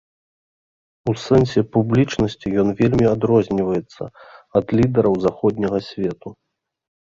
У сэнсе публічнасці ён вельмі адрозніваецца ад лідараў заходняга свету.